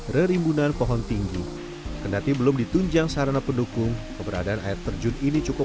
rerimbunan pohon tinggi kendati belum ditunjang sarana pendukung keberadaan air terjun ini cukup